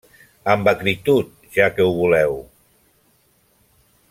-Amb acritud, ja que ho voleu.